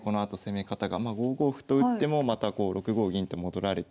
５五歩と打ってもまた６五銀と戻られて。